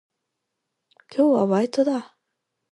今日はバイトだ。